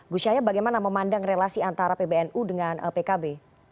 gu syahya bagaimana memandang relasi antara pbnu dengan pkb